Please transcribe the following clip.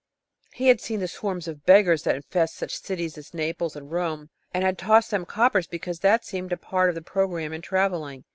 He had seen the swarms of beggars that infest such cities as Naples and Rome, and had tossed them coppers because that seemed a part of the programme in travelling.